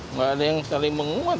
nggak ada yang saling menguat